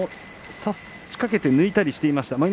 差しかけて抜いたりしていました。